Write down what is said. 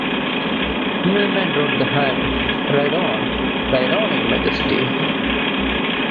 Milman wrote the hymn, Ride On, Ride On in Majesty!